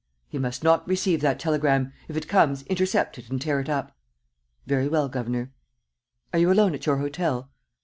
"He must not receive that telegram. If it comes, intercept it and tear it up." "Very well, governor." "Are you alone at your hotel?"